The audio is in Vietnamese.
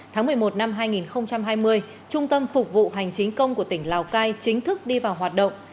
tháng một mươi một năm hai nghìn hai mươi trung tâm phục vụ hành chính công của tỉnh lào cai chính thức đi vào hoạt động